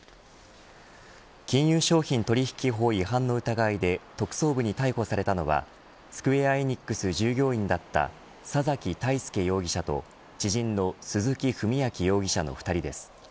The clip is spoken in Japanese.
金融商品取引法違反の疑いで特捜部に逮捕されたのはスクウェア・エニックス従業員だった佐崎泰介容疑者と知人の鈴木文章容疑者の２人です。